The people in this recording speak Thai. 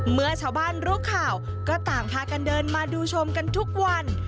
เมื่อชาวบ้านรู้ข่าวก็ต่างพากันเดินมาดูชมกันทุกวัน